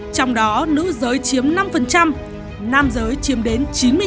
trong đó nữ giới chiếm năm nam giới chiếm đến chín mươi sáu